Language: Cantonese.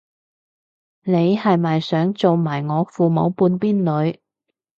你係咪想做埋我父母半邊女